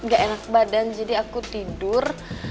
gak enak badan jadi aku tidur